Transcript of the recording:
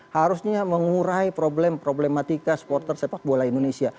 harusnya mengurai problematika supporter sepak bola indonesia